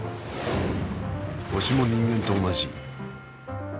星も人間と同じ。